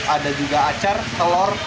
ada juga acar telur